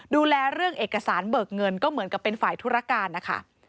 ดูแลเรื่องเอกสารเบิกเงินก็เหมือนกับเป็นฝ่ายธุรการนะคะ